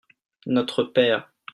notre père.